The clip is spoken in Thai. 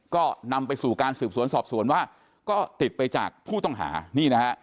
ก็นำไปสู่การสืบสวนสอบสวนว่าก็ติดไปจากผู้ต้องหานี่นะฮะ